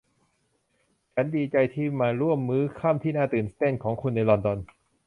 ฉันดีใจที่มาร่วมมื้อค่ำที่น่าตื่นเต้นของคุณในลอนดอน